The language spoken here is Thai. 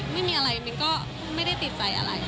ไม่มีอะไรมิ้นก็ไม่ได้ติดใจอะไร